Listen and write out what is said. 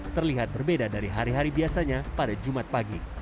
terlihat berbeda dari hari hari biasanya pada jumat pagi